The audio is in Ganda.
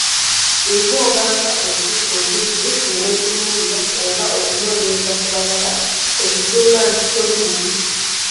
Singa obanga otutte obudde neweetunuulira oba okunoonyereza ku balala okizuula nti toli bubi.